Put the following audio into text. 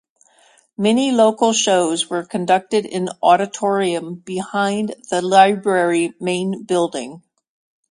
Many local shows were conducted in auditorium behind the library main building.